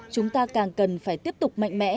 chúng ta càng cần phải tiếp tục mạnh mẽ